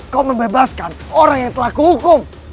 kau membebaskan orang yang telah kuhum